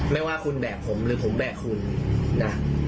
ไม่ว่าคุณแบกผมหรือผมแบกคุณนะ